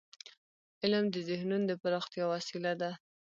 علم د ذهنونو د پراختیا وسیله ده.